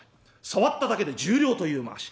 触っただけで１０両というまわし。